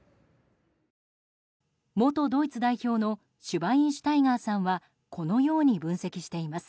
元ドイツ代表のシュバイン・シュタイガーさんはこのように分析しています。